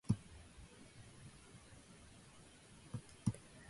The entrance leads to octagonal room with niches.